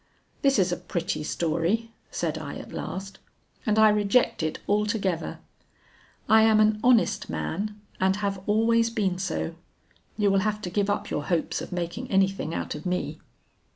'This is a pretty story,' said I at last, and I reject it altogether. 'I am an honest man and have always been so; you will have to give up your hopes of making anything out of me.'